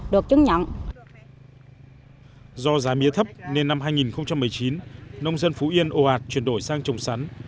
do giá mía thấp nên năm hai nghìn một mươi chín nông dân phú yên ồ ạt chuyển đổi sang trồng sắn